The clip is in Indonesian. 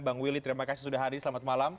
bang willy terima kasih sudah hadir selamat malam